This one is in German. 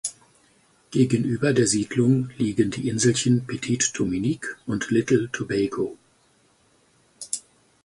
Gegenüber der Siedlung liegen die Inselchen Petite Dominique und Little Tobago.